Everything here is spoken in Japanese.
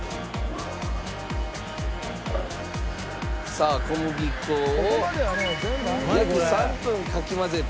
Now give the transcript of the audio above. さあ小麦粉を約３分かき混ぜて。